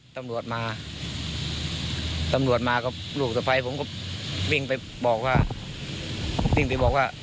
ตำรวจมาตำรวจมาก็ลูกสะพ้ายผมก็วิ่งไปบอกว่าวิ่งไปบอกว่า